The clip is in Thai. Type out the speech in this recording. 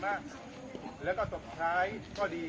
และโรงการมีแพทย์ที่สว่างสุดสำหรับผู้ชอบเรื่อง